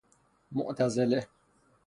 معتزله